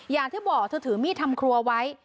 อย่างที่บอกเธอถือมีดทำครัวไว้